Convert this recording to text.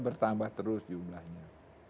bertambah terus jumlahnya